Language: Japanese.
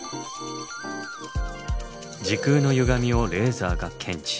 時空のゆがみをレーザーが検知。